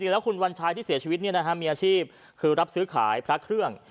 แล้วคุณวัญชัยที่เสียชีวิตมีอาชีพคือรับซื้อขายพระเครื่อง